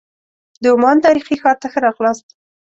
د عمان تاریخي ښار ته ښه راغلاست.